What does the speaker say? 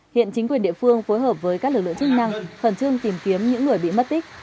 hiện chính quyền địa phương phối hợp với các lực lượng chức năng khẩn trương tìm kiếm những người bị mất tích